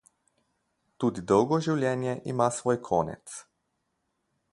Tudi dolgo življenje ima svoj konec.